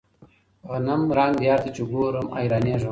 غنمرنګ يار ته چې ګورم حيرانېږم.